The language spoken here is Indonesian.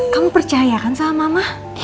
kamu percaya kan sama mama